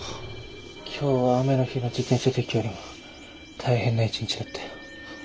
今日は雨の日の自転車撤去よりも大変な一日だったよ。